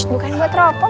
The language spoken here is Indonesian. shhh bukan gua teropong